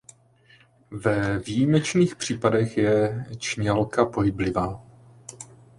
Ve výjimečných případech je čnělka pohyblivá.